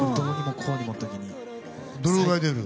どのくらい出るの？